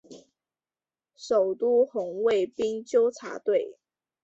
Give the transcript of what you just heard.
首都红卫兵纠察队。